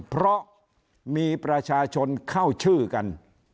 เพราะมีประชาชนเข้าชื่อกัน